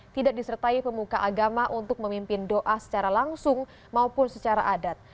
tidak disertai pemuka agama untuk memimpin doa secara langsung maupun secara adat